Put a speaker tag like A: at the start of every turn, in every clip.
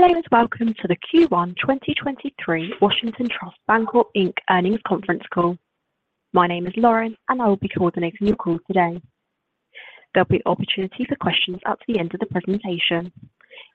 A: Hello, and welcome to the Q1 2023 Washington Trust Bancorp, Inc. earnings conference call. My name is Lauren, and I will be coordinating your call today. There'll be opportunity for questions at the end of the presentation.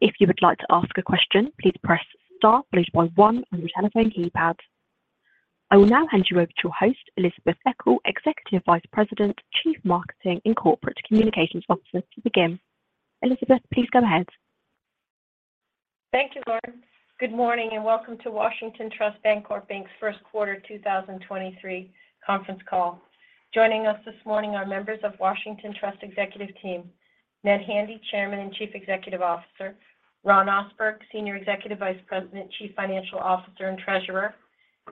A: If you would like to ask a question, please press star followed by one on your telephone keypad. I will now hand you over to your host, Elizabeth Eckel, Executive Vice President, Chief Marketing and Corporate Communications Officer to begin. Elizabeth, please go ahead.
B: Thank you, Lauren. Good morning, and welcome to Washington Trust Bancorp, Inc.'s first quarter 2023 conference call. Joining us this morning are members of Washington Trust executive team. Ned Handy, Chairman and Chief Executive Officer. Ron Ohsberg, Senior Executive Vice President, Chief Financial Officer, and Treasurer.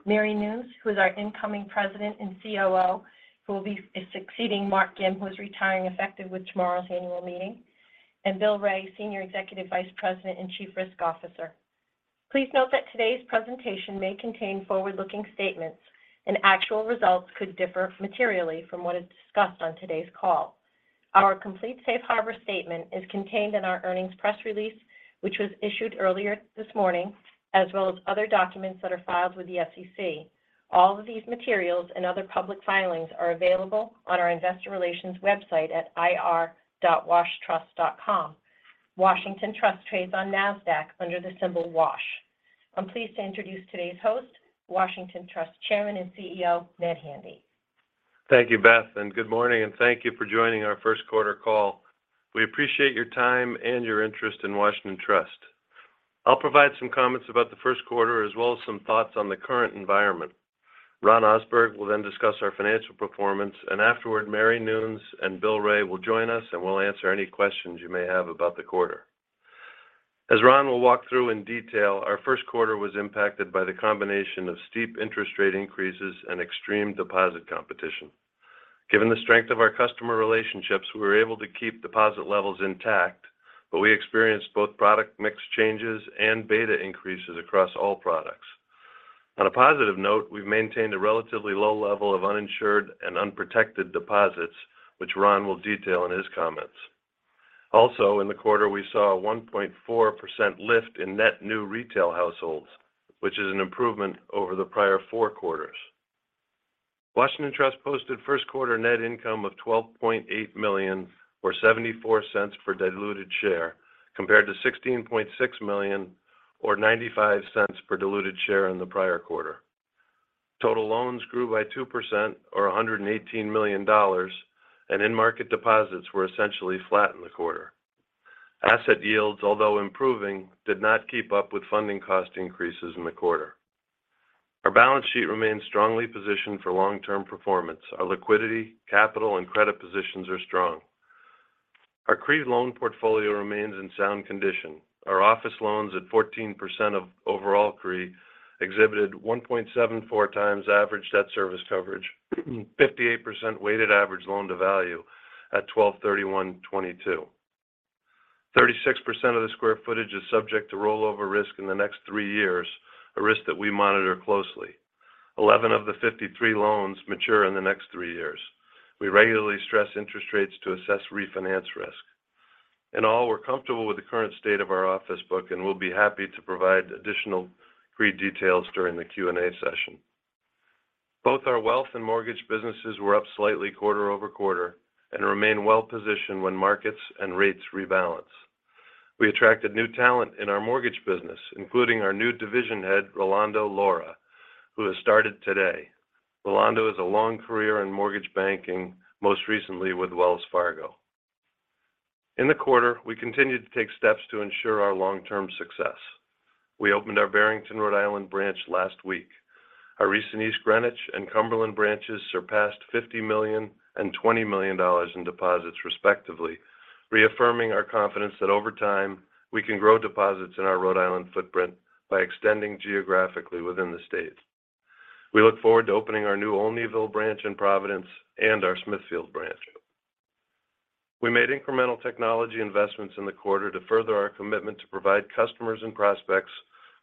B: Mary Noons, who is our incoming President and COO, who will be succeeding Mark Gim who is retiring effective with tomorrow's annual meeting. Bill Wray, Senior Executive Vice President and Chief Risk Officer. Please note that today's presentation may contain forward-looking statements and actual results could differ materially from what is discussed on today's call. Our complete safe harbor statement is contained in our earnings press release, which was issued earlier this morning, as well as other documents that are filed with the SEC. All of these materials and other public filings are available on our investor relations website at ir.washtrust.com. Washington Trust trades on Nasdaq under the symbol WASH. I'm pleased to introduce today's host, Washington Trust Chairman and CEO, Ned Handy.
C: Thank you, Beth. Good morning and thank you for joining our first quarter call. We appreciate your time and your interest in Washington Trust. I'll provide some comments about the first quarter as well as some thoughts on the current environment. Ron Ohsberg will then discuss our financial performance. Afterward, Mary Noons and Bill Wray will join us and we'll answer any questions you may have about the quarter. As Ron will walk through in detail, our first quarter was impacted by the combination of steep interest rate increases and extreme deposit competition. Given the strength of our customer relationships, we were able to keep deposit levels intact. We experienced both product mix changes and beta increases across all products. On a positive note, we've maintained a relatively low level of uninsured and unprotected deposits, which Ron will detail in his comments. In the quarter, we saw a 1.4% lift in net new retail households, which is an improvement over the prior four quarters. Washington Trust posted first quarter net income of $12.8 million or $0.74 per diluted share, compared to $16.6 million or $0.95 per diluted share in the prior quarter. Total loans grew by 2% or $118 million, end-market deposits were essentially flat in the quarter. Asset yields, although improving, did not keep up with funding cost increases in the quarter. Our balance sheet remains strongly positioned for long-term performance. Our liquidity, capital, and credit positions are strong. Our CRE loan portfolio remains in sound condition. Our office loans at 14% of overall CRE exhibited 1.74x average Debt Service Coverage, 58% weighted average Loan to Value at December 31, 2022. 36% of the square footage is subject to rollover risk in the next three years, a risk that we monitor closely. 11 of the 53 loans mature in the next three years. We regularly stress interest rates to assess refinance risk. In all, we're comfortable with the current state of our office book, and we'll be happy to provide additional CRE details during the Q&A session. Both our wealth and mortgage businesses were up slightly quarter-over-quarter and remain well-positioned when markets and rates rebalance. We attracted new talent in our mortgage business, including our new division head, Rolando Lora, who has started today. Rolando has a long career in mortgage banking, most recently with Wells Fargo. In the quarter, we continued to take steps to ensure our long-term success. We opened our Barrington, Rhode Island branch last week. Our recent East Greenwich and Cumberland branches surpassed $50 million and $20 million in deposits, respectively, reaffirming our confidence that over time, we can grow deposits in our Rhode Island footprint by extending geographically within the state. We look forward to opening our new Olneyville branch in Providence and our Smithfield branch. We made incremental technology investments in the quarter to further our commitment to provide customers and prospects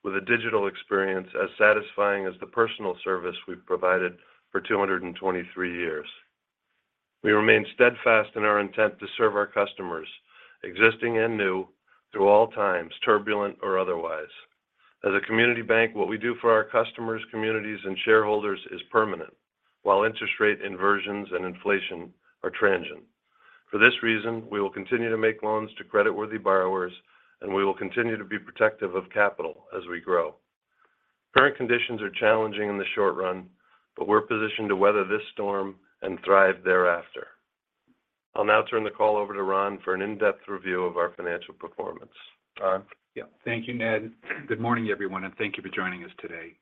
C: with a digital experience as satisfying as the personal service we've provided for 223 years. We remain steadfast in our intent to serve our customers, existing and new, through all times, turbulent or otherwise. As a community bank, what we do for our customers, communities, and shareholders is permanent, while interest rate inversions and inflation are transient. For this reason, we will continue to make loans to creditworthy borrowers, and we will continue to be protective of capital as we grow. Current conditions are challenging in the short run, but we're positioned to weather this storm and thrive thereafter. I'll now turn the call over to Ron for an in-depth review of our financial performance. Ron?
D: Yeah. Thank you, Ned. Good morning, everyone, thank you for joining us today.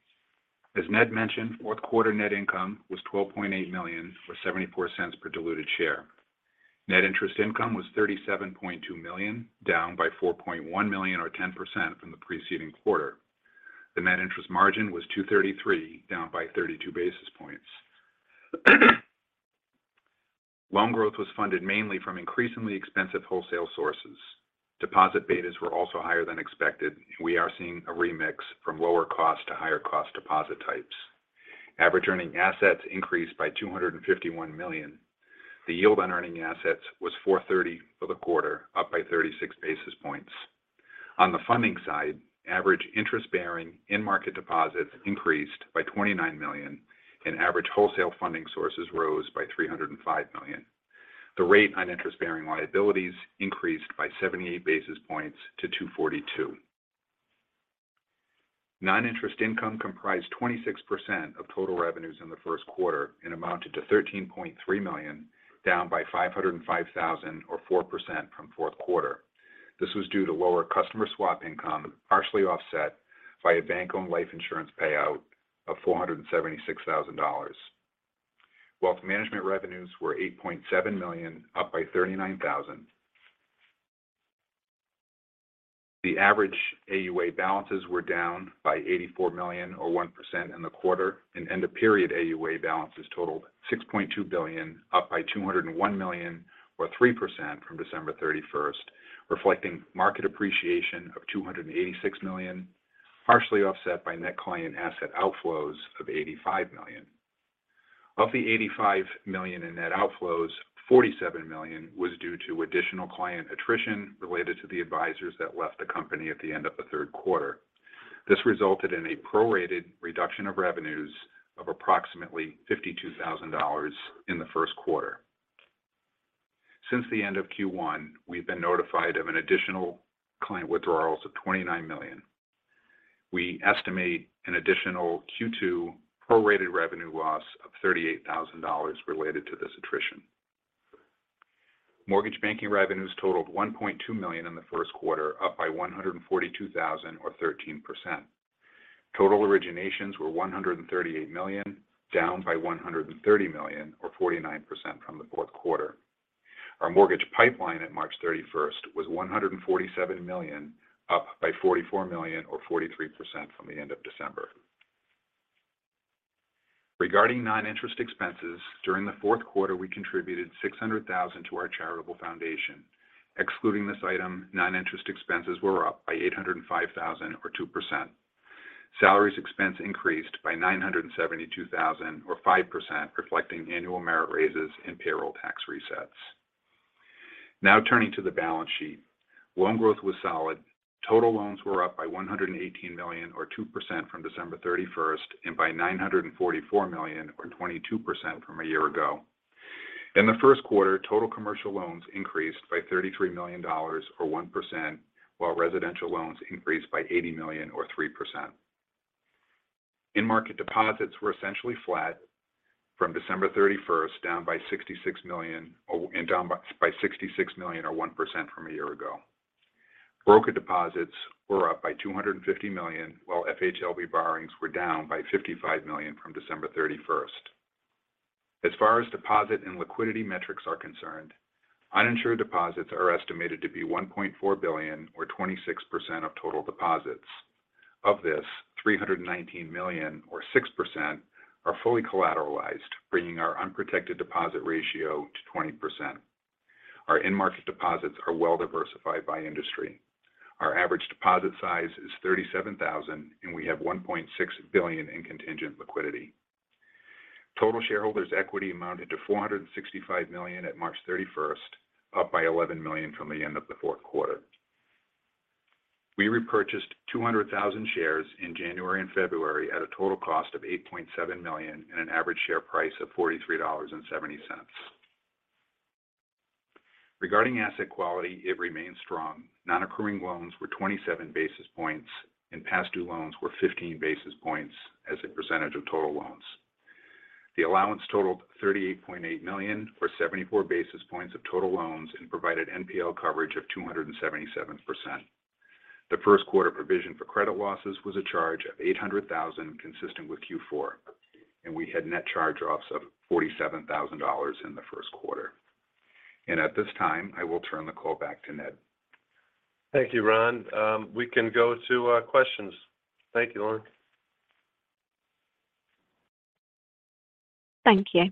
D: As Ned mentioned, fourth quarter net income was $12.8 million, or $0.74 per diluted share. Net interest income was $37.2 million, down by $4.1 million or 10% from the preceding quarter. The net interest margin was 2.33%, down by 32 basis points. Loan growth was funded mainly from increasingly expensive wholesale sources. Deposit betas were also higher than expected. We are seeing a remix from lower cost to higher cost deposit types. Average earning assets increased by $251 million. The yield on earning assets was 4.30% for the quarter, up by 36 basis points. On the funding side, average interest-bearing in-market deposits increased by $29 million, and average wholesale funding sources rose by $305 million. The rate on interest-bearing liabilities increased by 78 basis points to 2.42%. Non-interest income comprised 26% of total revenues in the first quarter and amounted to $13.3 million, down by $505 thousand or 4% from fourth quarter. This was due to lower customer swap income, partially offset by a bank-owned life insurance payout of $476 thousand. Wealth management revenues were $8.7 million, up by $39 thousand. The average AUA balances were down by $84 million or 1% in the quarter. End of period AUA balances totaled $6.2 billion, up by $201 million or 3% from December 31st, reflecting market appreciation of $286 million, partially offset by net client asset outflows of $85 million. Of the $85 million in net outflows, $47 million was due to additional client attrition related to the advisors that left the company at the end of the third quarter. This resulted in a prorated reduction of revenues of approximately $52,000 in the first quarter. Since the end of Q1, we've been notified of an additional client withdrawals of $29 million. We estimate an additional Q2 prorated revenue loss of $38,000 related to this attrition. Mortgage banking revenues totaled $1.2 million in the first quarter, up by $142,000 or 13%. Total originations were $138 million, down by $130 million or 49% from the fourth quarter. Our mortgage pipeline at March 31st was $147 million, up by $44 million or 43% from the end of December. Regarding non-interest expenses, during the fourth quarter, we contributed $600,000 to our charitable foundation. Excluding this item, non-interest expenses were up by $805,000 or 2%. Salaries expense increased by $972,000 or 5%, reflecting annual merit raises and payroll tax resets. Turning to the balance sheet. Loan growth was solid. Total loans were up by $118 million or 2% from December 31st and by $944 million or 22% from a year ago. In the first quarter, total commercial loans increased by $33 million or 1%, while residential loans increased by $80 million or 3%. In-market deposits were essentially flat from December 31st, down by $66 million or 1% from a year ago. Brokered deposits were up by $250 million, while FHLB borrowings were down by $55 million from December 31st. As far as deposit and liquidity metrics are concerned, uninsured deposits are estimated to be $1.4 billion or 26% of total deposits. Of this, $319 million or 6% are fully collateralized, bringing our unprotected deposit ratio to 20%. Our in-market deposits are well diversified by industry. Our average deposit size is $37,000, and we have $1.6 billion in contingent liquidity. Total shareholders' equity amounted to $465 million at March 31st, up by $11 million from the end of the fourth quarter. We repurchased 200,000 shares in January and February at a total cost of $8.7 million and an average share price of $43.70. Regarding asset quality, it remains strong. Non-accruing loans were 27 basis points, and past due loans were 15 basis points as a percentage of total loans. The allowance totaled $38.8 million or 74 basis points of total loans and provided NPL coverage of 277%. The first quarter provision for credit losses was a charge of $800,000 consistent with Q4, and we had net charge-offs of $47,000 in the first quarter. At this time, I will turn the call back to Ned.
C: Thank you, Ron. We can go to questions. Thank you, Lauren.
A: Thank you.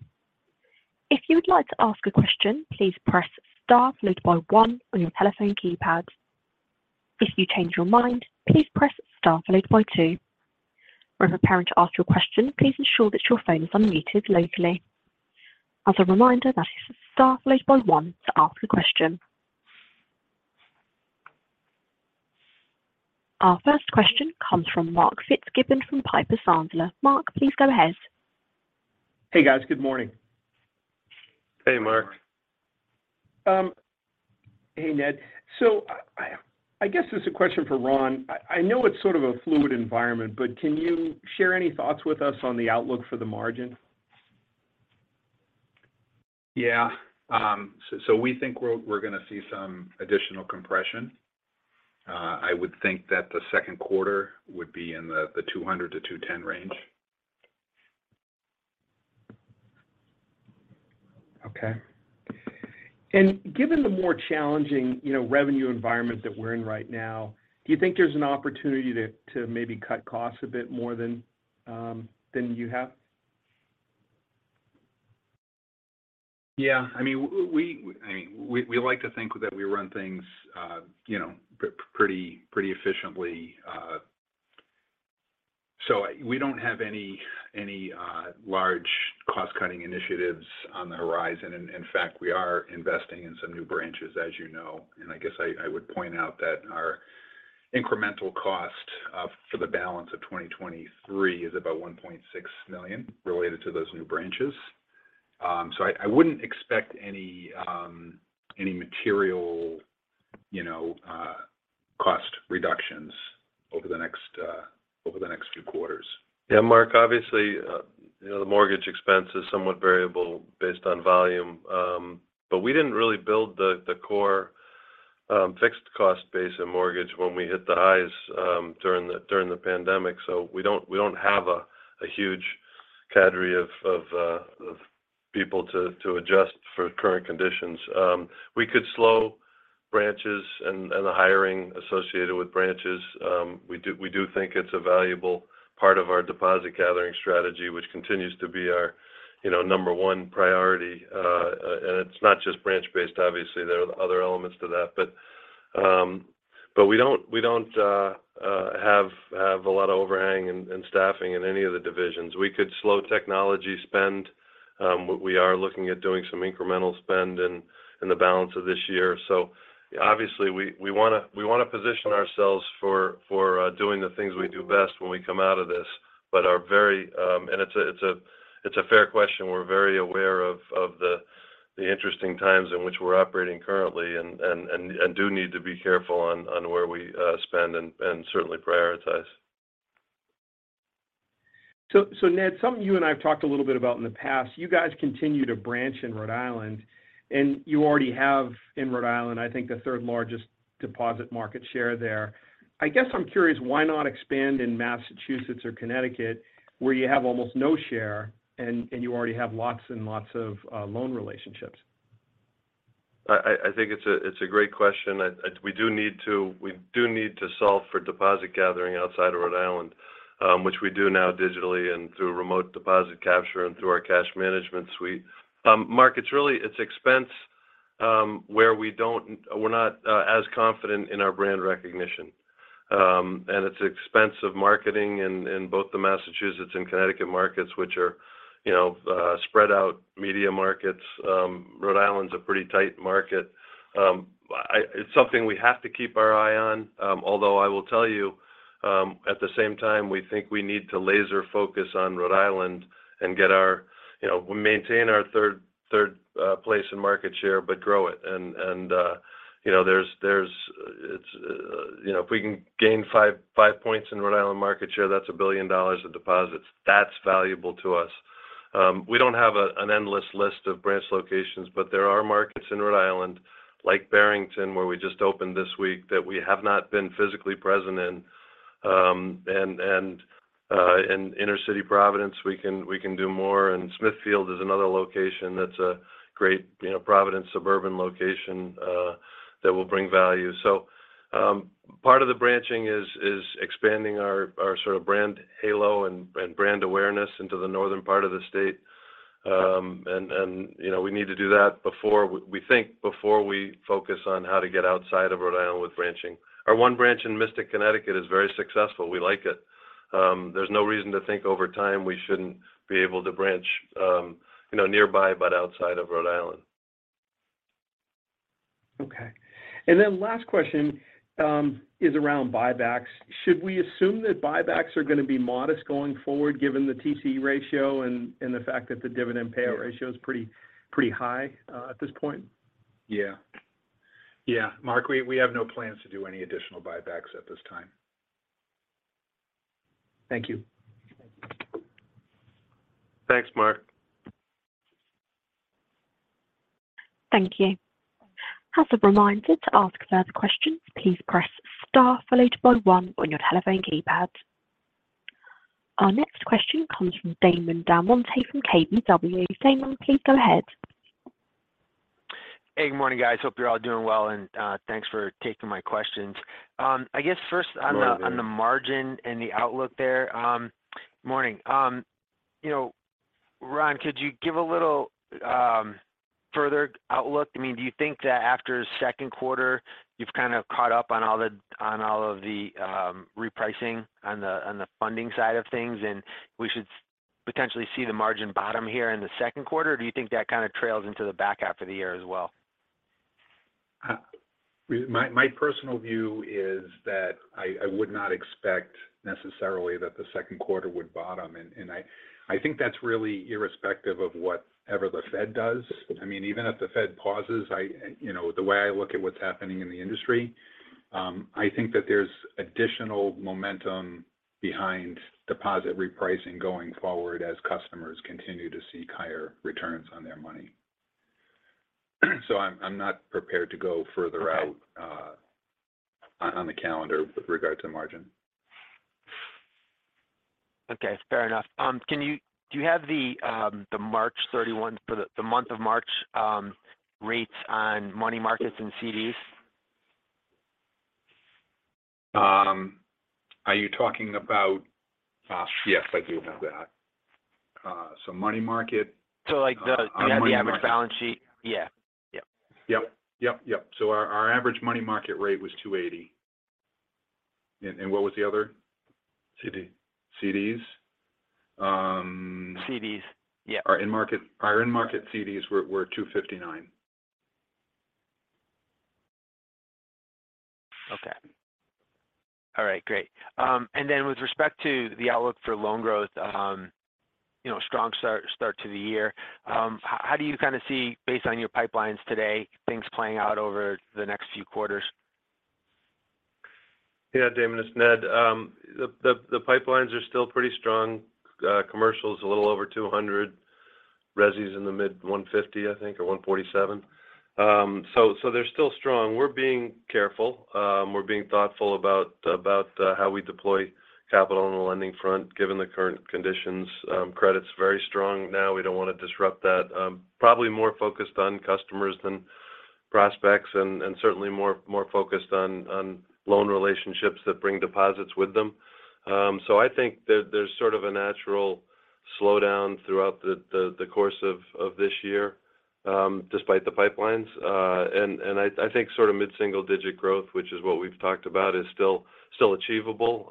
A: If you would like to ask a question, please press star followed by one on your telephone keypad. If you change your mind, please press star followed by two. When preparing to ask your question, please ensure that your phone is unmuted locally. As a reminder, that is star followed by one to ask a question. Our first question comes from Mark Fitzgibbon from Piper Sandler. Mark, please go ahead.
E: Hey, guys. Good morning.
C: Hey, Mark.
E: Hey, Ned. I guess this is a question for Ron. I know it's sort of a fluid environment, but can you share any thoughts with us on the outlook for the margin?
D: Yeah. So we think we're gonna see some additional compression. I would think that the second quarter would be in the 200-210 range.
E: Okay. Given the more challenging, you know, revenue environment that we're in right now, do you think there's an opportunity to maybe cut costs a bit more than you have?
D: Yeah. I mean, we, I mean, we like to think that we run things, you know, pretty efficiently. We don't have any large cost-cutting initiatives on the horizon. In fact, we are investing in some new branches, as you know. I guess I would point out that our incremental cost for the balance of 2023 is about $1.6 million related to those new branches. I wouldn't expect any material, you know, cost reductions over the next over the next few quarters.
C: Yeah. Mark, obviously, you know, the mortgage expense is somewhat variable based on volume. We didn't really build the core fixed cost base in mortgage when we hit the highs during the pandemic. We don't have a huge cadre of people to adjust for current conditions. We could slow branches and the hiring associated with branches. We do think it's a valuable part of our deposit gathering strategy, which continues to be our, you know, number one priority. It's not just branch-based, obviously, there are other elements to that. We don't have a lot of overhang in staffing in any of the divisions. We could slow technology spend, we are looking at doing some incremental spend in the balance of this year. Obviously we wanna position ourselves for doing the things we do best when we come out of this. Are very, and it's a fair question. We're very aware of the interesting times in which we're operating currently and do need to be careful on where we spend and certainly prioritize.
E: Ned, something you and I have talked a little bit about in the past. You guys continue to branch in Rhode Island, and you already have in Rhode Island, I think the third-largest deposit market share there. I guess I'm curious why not expand in Massachusetts or Connecticut where you have almost no share and you already have lots and lots of loan relationships?
C: I think it's a great question. We do need to solve for deposit gathering outside of Rhode Island, which we do now digitally and through Remote Deposit Capture and through our cash management suite. Mark, it's really, it's expense, where we're not as confident in our brand recognition. It's expensive marketing in both the Massachusetts and Connecticut markets, which are, you know, spread out media markets. Rhode Island's a pretty tight market. It's something we have to keep our eye on. Although I will tell you, at the same time, we think we need to laser focus on Rhode Island and get our, you know, maintain our third place in market share, but grow it. You know, if we can gain five points in Rhode Island market share, that's $1 billion of deposits. That's valuable to us. we don't have an endless list of branch locations. There are markets in Rhode Island like Barrington, where we just opened this week, that we have not been physically present in. in inner-city Providence, we can do more. Smithfield is another location that's a great, you know, Providence suburban location that will bring value. part of the branching is expanding our sort of brand halo and brand awareness into the northern part of the state. you know, we need to do that before we think before we focus on how to get outside of Rhode Island with branching. Our one branch in Mystic, Connecticut, is very successful. We like it. There's no reason to think over time we shouldn't be able to branch, you know, nearby, but outside of Rhode Island.
E: Okay. Last question, is around buybacks. Should we assume that buybacks are going to be modest going forward given the TCE ratio and the fact that the dividend payout ratio...
D: Yeah
E: Is pretty high at this point?
D: Yeah. Yeah. Mark, we have no plans to do any additional buybacks at this time.
E: Thank you.
C: Thanks, Mark.
A: Thank you. As a reminder to ask further questions, please press star followed by one on your telephone keypad. Our next question comes from Damon DelMonte from KBW. Damon, please go ahead.
F: Hey, good morning, guys. Hope you're all doing well, and thanks for taking my questions.
D: Morning, Damon.
F: On the margin and the outlook there. Morning. You know, Ron, could you give a little further outlook? I mean, do you think that after second quarter you've kind of caught up on all of the repricing on the funding side of things, and we should potentially see the margin bottom here in the second quarter? Or do you think that kind of trails into the back half of the year as well?
D: My personal view is that I would not expect necessarily that the second quarter would bottom. I think that's really irrespective of whatever the Fed does. I mean, even if the Fed pauses, you know, the way I look at what's happening in the industry, I think that there's additional momentum behind deposit repricing going forward as customers continue to seek higher returns on their money. I'm not prepared to go further out.
F: Okay
D: On the calendar with regard to margin.
F: Okay. Fair enough. Do you have the for the month of March, rates on money markets and CDs?
D: Are you talking about... yes, I do have that. money market-
F: like
D: money market-
F: you have the average balance sheet?
D: Yeah. Yep. Yep. Yep, yep. Our average money market rate was 2.80%. What was the other?
F: CD.
D: CDs?
F: CDs, yeah.
D: Our in-market CDs were 2.59%.
F: Okay. All right, great. With respect to the outlook for loan growth, you know, strong start to the year, how do you kind of see based on your pipelines today things playing out over the next few quarters?
C: Yeah, Damon, it's Ned. The pipelines are still pretty strong. Commercial is a little over $200. Resi's in the mid $150, I think, or $147. They're still strong. We're being careful. We're being thoughtful about how we deploy capital on the lending front given the current conditions. Credit's very strong now. We don't wanna disrupt that. Probably more focused on customers than prospects and certainly more focused on loan relationships that bring deposits with them. I think there's sort of a natural slowdown throughout the course of this year, despite the pipelines. I think sort of mid-single digit growth, which is what we've talked about, is still achievable,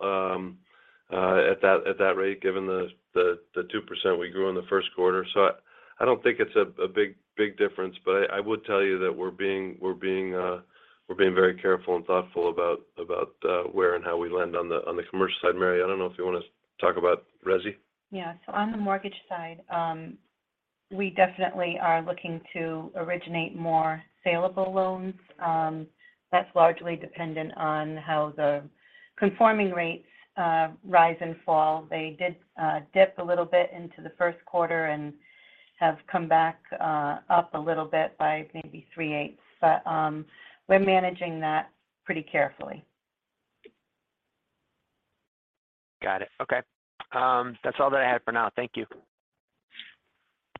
C: at that rate given the 2% we grew in the first quarter. I don't think it's a big difference. I would tell you that we're being very careful and thoughtful about where and how we lend on the commercial side. Mary, I don't know if you wanna talk about resi?
G: Yeah. On the mortgage side, we definitely are looking to originate more saleable loans. That's largely dependent on how the conforming rates rise and fall. They did dip a little bit into the first quarter and have come back up a little bit by maybe 3/8. We're managing that pretty carefully.
F: Got it. Okay. That's all that I have for now. Thank you.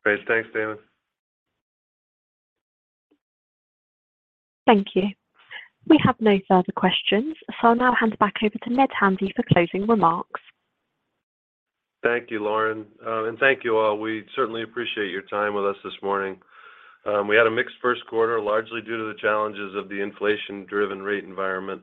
C: Great. Thanks, Damon.
A: Thank you. We have no further questions. I'll now hand back over to Ned Handy for closing remarks.
C: Thank you, Lauren. And thank you all. We certainly appreciate your time with us this morning. We had a mixed first quarter, largely due to the challenges of the inflation-driven rate environment.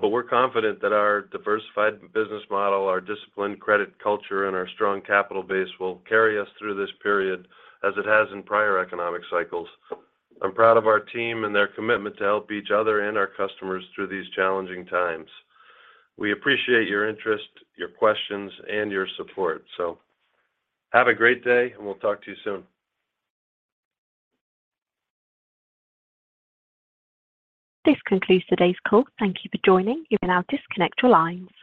C: We're confident that our diversified business model, our disciplined credit culture, and our strong capital base will carry us through this period as it has in prior economic cycles. I'm proud of our team and their commitment to help each other and our customers through these challenging times. We appreciate your interest, your questions, and your support. Have a great day, and we'll talk to you soon.
A: This concludes today's call. Thank you for joining. You can now disconnect your lines.